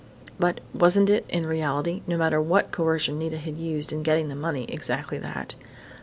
But wasn't it, in reality, no matter what coercion Nita had used in getting the money, exactly that?...